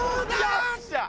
よっしゃ！